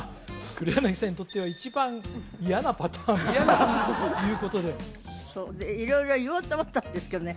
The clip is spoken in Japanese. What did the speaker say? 黒柳さんにとっては一番嫌なパターンということでそうで色々言おうと思ったんですけどね